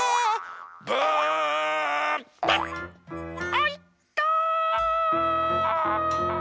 あいった。